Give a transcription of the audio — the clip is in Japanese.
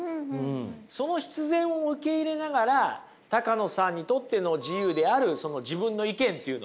その必然を受け入れながら高野さんにとっての自由である自分の意見っていうのをね